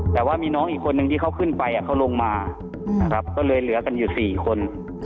แต่ว่ามีน้องอีกคนนึงที่เขาขึ้นไปเขาลงมาก็เลยเหลือกันอยู่๔คน